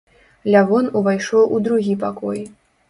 Лявон увайшоў у другі пакой.